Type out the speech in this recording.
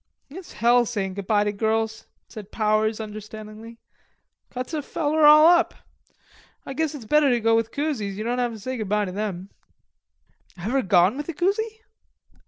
" "It's hell sayin' good by to girls," said Powers, understandingly. "Cuts a feller all up. I guess it's better to go with coosies. Ye don't have to say good by to them." "Ever gone with a coosie?"